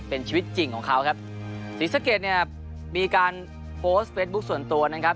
เป็นชีวิตจริงของเขาครับศรีสะเกดเนี่ยมีการโพสต์เฟซบุ๊คส่วนตัวนะครับ